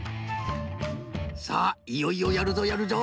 さあいよいよやるぞやるぞ！